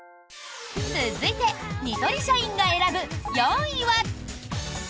続いてニトリ社員が選ぶ４位は。